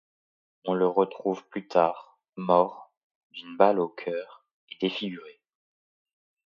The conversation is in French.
On le retrouve plus tard, mort d'une balle au cœur et défiguré.